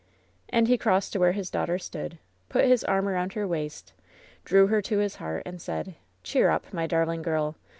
And he crossed to where his daughter stood, put his arm around her waist, drew her to his heart, and said : "Cheer up, my darling girl.